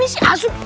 ini sih asyik